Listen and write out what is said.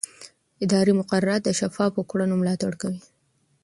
اداري مقررات د شفافو کړنو ملاتړ کوي.